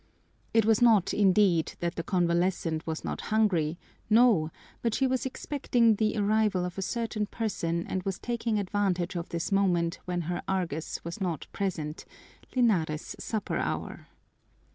It was not, indeed, that the convalescent was not hungry, no; but she was expecting the arrival of a certain person and was taking advantage of this moment when her Argus was not present, Linares' supper hour.